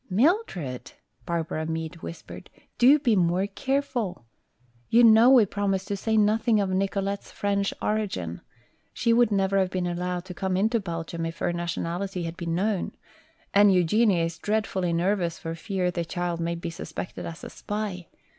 "Mildred!" Barbara Meade whispered, "do be more careful. You know we promised to say nothing of Nicolete's French origin. She would never have been allowed to come into Belgium if her nationality had been known. And Eugenia is dreadfully nervous for fear the child may be suspected as a spy.